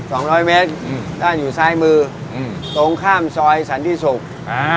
สองร้อยเมตรอืมด้านอยู่ซ้ายมืออืมตรงข้ามซอยสันติศุกร์อ่า